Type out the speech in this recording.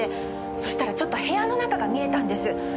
そしたらちょっと部屋の中が見えたんです。